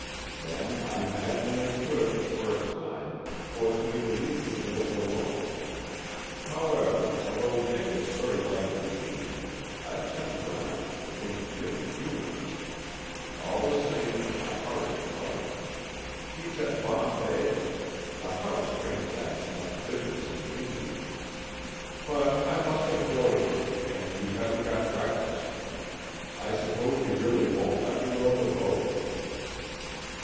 "Then, I imagine they could, for a time, force me to leave the mills alone. However, although Dick is very like a machine, I've some grounds to think Jim human. All the same, I hardly know him. He's at Bombay; the house transacts much business in India. But I must have bored you and you haven't got breakfast. I suppose you really won't let me row the boat?"